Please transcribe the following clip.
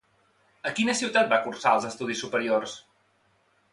A quina ciutat va cursar els estudis superiors?